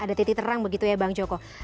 ada titik terang begitu ya bang joko